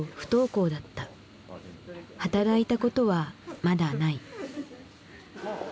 働いたことはまだない。